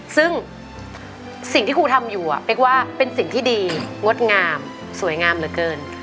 ซึ่งสิ่งที่ครูทำอยู่เป๊กว่าเป็นสิ่งที่ดีงดงามสวยงามเหลือเกิน